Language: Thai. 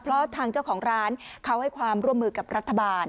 เพราะทางเจ้าของร้านเขาให้ความร่วมมือกับรัฐบาล